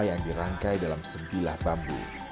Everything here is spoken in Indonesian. yang dirangkai dalam sebilah bambu